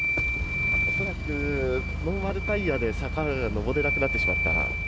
恐らくノーマルタイヤで坂が上れなくなってしまった。